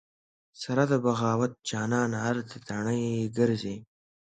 سره د بغاوت جانانه ارتې تڼۍ ګرځې